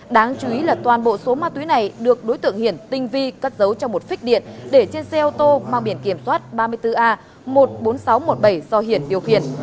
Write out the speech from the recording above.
đáng chú ý là toàn bộ số ma túy này được đối tượng hiển tinh vi cất giấu trong một phích điện để trên xe ô tô mang biển kiểm soát ba mươi bốn a một mươi bốn nghìn sáu trăm một mươi bảy do hiển điều khiển